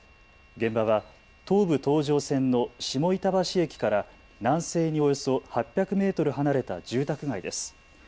現場は東武東上線の下板橋駅から南西におよそ８００メートル離れた住宅街です。